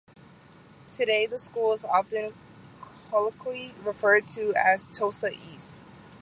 Today, the school is often colloquially referred to as Tosa East.